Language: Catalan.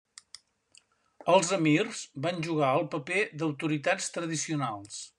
Els emirs van jugar el paper d'autoritats tradicionals.